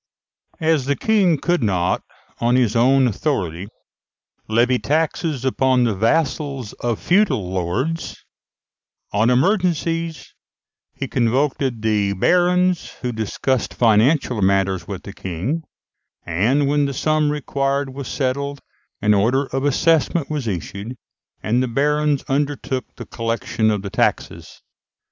As the King could not on his own authority levy taxes upon the vassals of feudal lords, on emergencies he convoked the barons, who discussed financial matters with the King, and, when the sum required was settled, an order of assessment was issued, and the barons undertook the collection of the taxes.